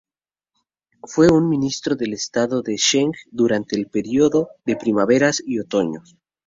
Fue un ministro del estado de Zheng durante el Período de Primaveras y Otoños.